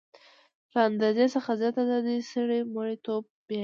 له اندازې څخه زیاته ازادي سړی مرییتوب ته بیايي.